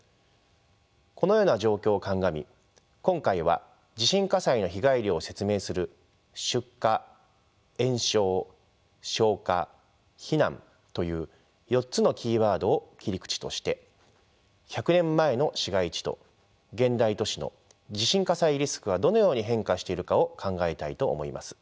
このような状況を鑑み今回は地震火災の被害量を説明する出火延焼消火避難という４つのキーワードを切り口として１００年前の市街地と現代都市の地震火災リスクがどのように変化しているかを考えたいと思います。